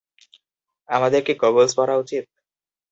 আমাদের কি গগলস পরা উচিত?